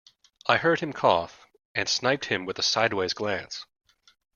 I heard him cough, and sniped him with a sideways glance.